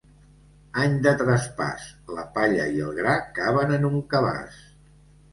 Any de traspàs, la palla i el gra caben en un cabàs.